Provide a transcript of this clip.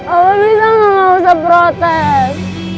ihihih apa bisa gak mau saya protes